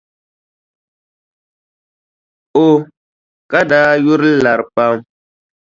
O ka daa yuri lari pam.